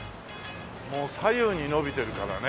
もう左右に延びてるからね。